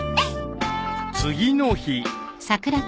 ［次の日］